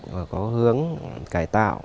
và có hướng cải tạo